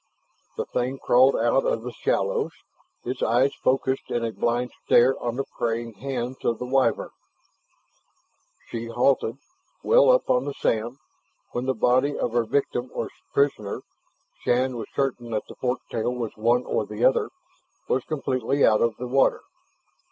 The thing crawled out of the shallows, its eyes focused in a blind stare on the praying hands of the Wyvern. She halted, well up on the sand, when the body of her victim or prisoner Shann was certain that the fork tail was one or the other was completely out of the water.